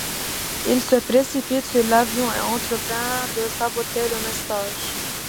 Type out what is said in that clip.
Il se précipite sur l'avion et entreprend de saboter le message.